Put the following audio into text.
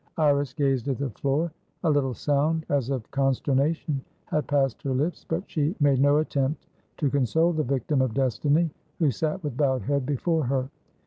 Iris gazed at the floor. A little sound as of consternation had passed her lips, but she made no attempt to console the victim of destiny who sat with bowed head before her.